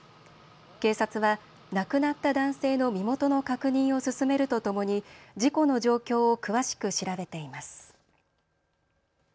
警察は亡くなった男性の身元の確認を進めるとともに事故の状況を詳しく調べています。